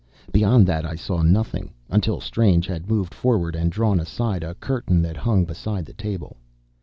Beyond that I saw nothing, until Strange had moved forward and drawn aside a curtain that hung beside the table.